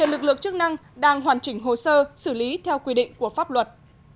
lực lượng chức năng đang hoàn chỉnh hồ sơ xử lý theo quy định của pháp luật